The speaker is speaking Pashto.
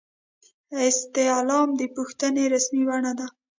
استعلام د پوښتنې رسمي بڼه ده